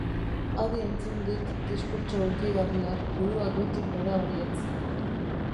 Adi entzun dit diskurtso hunkigarria, burua goitik behera baietz.